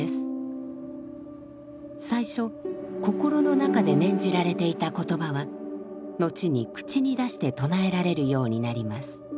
最初心の中で念じられていた言葉は後に口に出して唱えられるようになります。